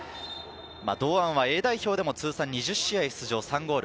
堂安はＡ代表でも通算２０試合出場、３ゴール。